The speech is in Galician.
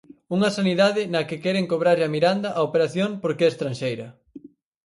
Unha sanidade na que queren cobrarlle a Miranda a operación porque é estranxeira.